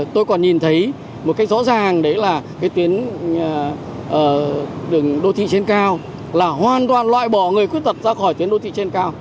tôi còn nhìn thấy một cách rõ ràng đấy là cái tuyến đường đô thị trên cao là hoàn toàn loại bỏ người khuyết tật ra khỏi tuyến đô thị trên cao